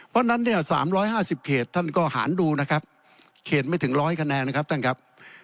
เพราะฉะนั้นเนี่ย๓๕๐เขตท่านก็หารดูนะครับเขตไม่ถึง๑๐๐คะแนนนะครับท่านครับ